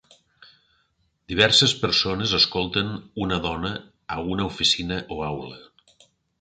Diverses persones escolten una dona a una oficina o aula.